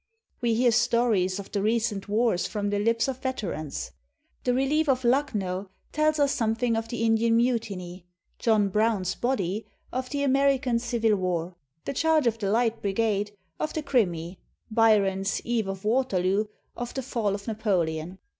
We hear stories of the recent wars from the lips of veterans. "The Relief of Lucknow" tells us something of the In dian Mutiny; "John Brown's Body," of the American Civil War; "The Charge of the Light Brigade," of the Crimea; Byron's "Eve of Waterloo," of the fall of Na poleon.